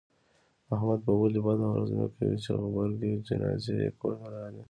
احمد به ولې بده ورځ نه کوي، چې غبرگې جنازې یې کورته راغلې.